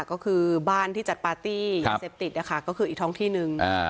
ก็คือบ้านที่จัดปาร์ตี้ยาเสพติดนะคะก็คืออีกท้องที่หนึ่ง